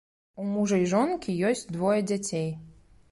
У мужа і жонкі ёсць двое дзяцей.